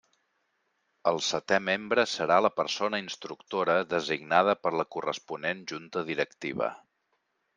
El setè membre serà la persona instructora, designada per la corresponent Junta Directiva.